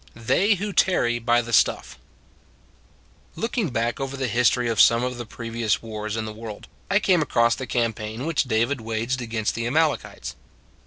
THEY WHO TARRY BY THE STUFF " LOOKING back over the history of some of the previous wars in the world, I came across the campaign which David waged against the Amalekites.